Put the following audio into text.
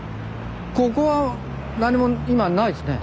ここは何も今ないですね。